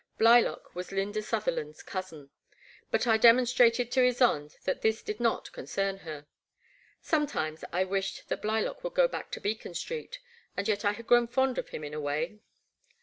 Blylock was Lynda Sutherland's cousin, but I demonstrated to Ysonde that this The Black Water. 153 did not concern her. Sometimes I wished that Blylock would go back to Beacon Street, and yet I had grown fond of him in a way.